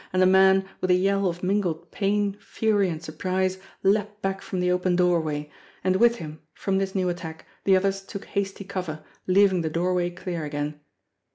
>.nd the man with a yell of mingled pain, fury and surprise leaped back :rom the open doorway and with him, from this new attack, the others took hasty cover, leaving the doorway clear again.